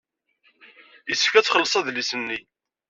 Yessefk ad txelleṣ adlis-nni.